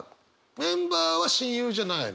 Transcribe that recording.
メンバーは親友じゃないの？